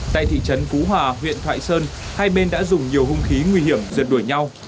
tại thị trấn phú hòa huyện thoại sơn hai bên đã dùng nhiều hung khí nguy hiểm rượt đuổi nhau